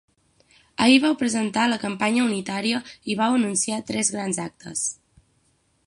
Ahir vau presentar la campanya unitària i vau anunciar tres grans actes.